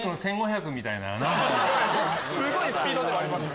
すごいスピードではありますよね。